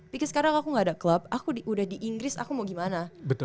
pikir sekarang aku gak ada klub aku udah di inggris aku mau gimana